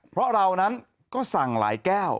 เพราะเรานั้นก็สั่งหลายแก้ว